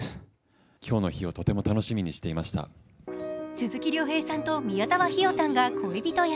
鈴木亮平さんと宮沢氷魚さんが恋人役。